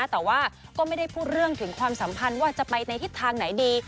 แต่ว่าก็ไม่ได้พูดเรื่องถึงความสัมพันธ์ว่าจะไปในทิศทางไหนดี